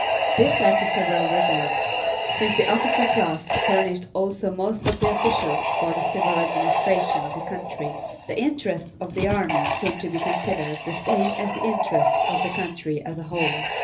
This led to several results. Since the officer class furnished also most of the officials for the civil administration of the country, the interests of the army came to be considered the same as the interests of the country as a whole.